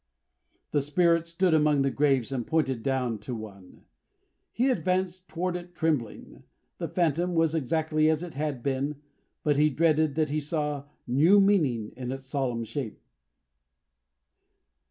The Spirit stood among the graves, and pointed down to one. He advanced toward it trembling. The Phantom was exactly as it had been, but he dreaded that he saw new meaning in its solemn shape.